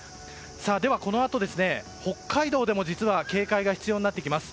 では、このあと北海道でも実は警戒が必要になってきます。